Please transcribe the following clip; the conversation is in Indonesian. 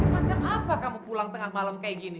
macam apa kamu pulang tengah malam kayak gini